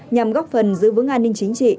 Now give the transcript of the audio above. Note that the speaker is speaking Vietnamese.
nhằm góp phần giữ vững an ninh chính trị